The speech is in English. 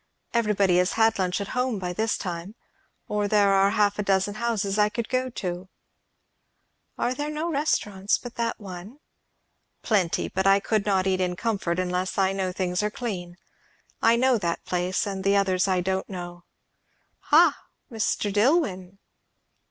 Everybody has had lunch at home by this time, or there are half a dozen houses I could go to." "Are there no other restaurants but that one?" "Plenty; but I could not eat in comfort unless I know things are clean. I know that place, and the others I don't know. Ha, Mr. Dillwyn!"